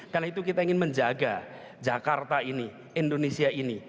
karena itu kita ingin menjaga jakarta ini indonesia ini